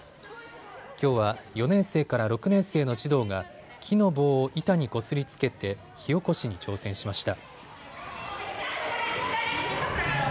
きょうは４年生から６年生の児童が木の棒を板にこすりつけて火おこしに挑戦しました。